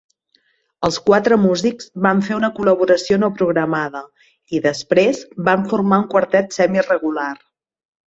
Els quatre músics van fer una col·laboració no programada i, després, van formar un quartet semirregular.